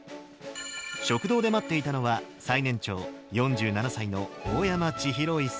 食堂で待っていたのは最年長、４７歳の大山千尋１曹。